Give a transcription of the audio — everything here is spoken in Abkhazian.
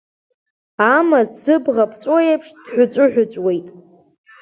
Амаҭ зыбӷа ԥҵәоу еиԥш дҳәыҵәыҳәыҵәуеит.